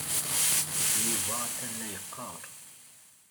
Yuba atan la yeqqar.